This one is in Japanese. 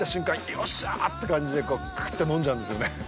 よっしゃーって感じでクーっと飲んじゃうんですよね。